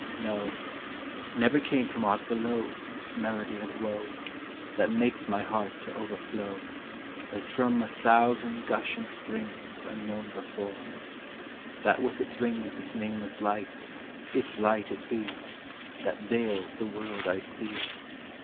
"No,—never came from aught belowThis melody of woe, That makes my heart to overflow, As from a thousand gushing springsUnknown before; that with it bringsThis nameless light,—if light it be,—That veils the world I see.